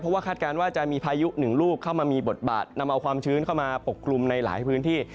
เพราะว่าคาดการณ์ว่าจะมีพายุหนึ่งลูกเข้ามามีบทบาทนำเอาความชื้นเข้ามาปกกลุ่มในหลายพื้นที่